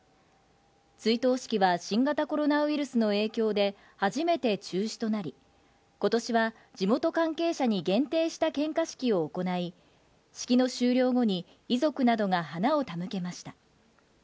追悼式は新型コロナウイルスの影響で初めて中止となり、ことしは、地元関係者に限定した献花式を行い、式の終了後に遺族などが花を手向けました。